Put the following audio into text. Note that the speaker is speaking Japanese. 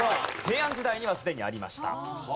平安時代にはすでにありました。